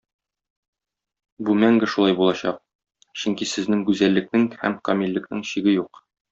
Бу мәңге шулай булачак, чөнки сезнең гүзәллекнең һәм камиллекнең чиге юк.